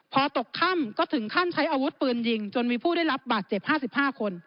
พอตกค่ำก็ถึงขั้นใช้อาวุธปืนยิงจนมีผู้ได้รับบาดเจ็บ๕๕คน